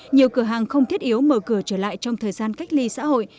nhiều cửa hàng không thiết yếu mở cửa trở lại trong thời gian cách ly xã hội